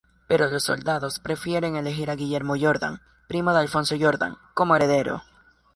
Pero los soldados prefieren elegir a Guillermo Jordán, primo de Alfonso Jordán, como heredero.